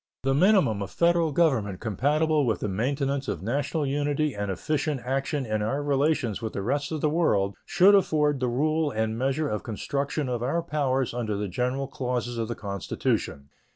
The minimum of Federal government compatible with the maintenance of national unity and efficient action in our relations with the rest of the world should afford the rule and measure of construction of our powers under the general clauses of the Constitution.